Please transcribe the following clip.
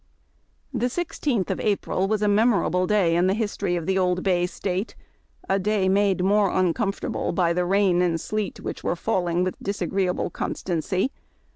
The 16th of April was a memorable day in the histor}' of the Old Bay State, — a day made more uncomfortable by the rain and sleet which were falling with disagreeable constancy.